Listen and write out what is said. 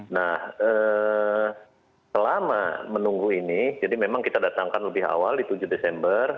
nah selama menunggu ini jadi memang kita datangkan lebih awal di tujuh desember